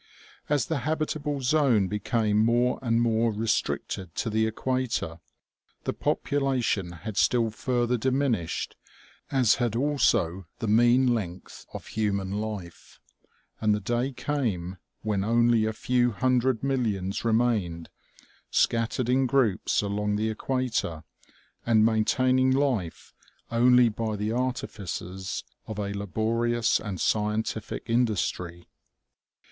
As the habitable zone became more and more restricted to the equator, the popu lation had still further diminished, as had also the mean length of human life, and the day came when only a few hundred millions remained, scattered in groups along the equator, and maintaining life only by the artifices of a laborious and scientific industry.